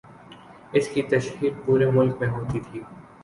اس کی تشہیر پورے ملک میں ہوتی تھی۔